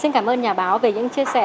xin cảm ơn nhà báo về những chia sẻ